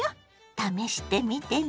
試してみてね。